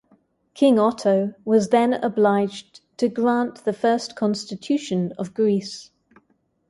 King Otto was then obliged to grant the first Constitution of Greece.